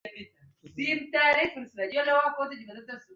hiyo ya maisha pamoja na miaka thelathini